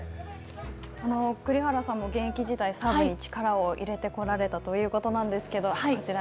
栗原さんも現役時代、サーブに力を入れてこられたということなんですけれども、こちら。